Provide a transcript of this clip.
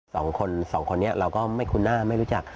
สองคนสองคนนี้เราก็ไม่คุ้นหน้าไม่รู้จัก